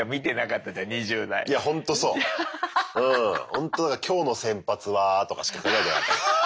ほんと「今日の先発は」とかしか考えてなかった。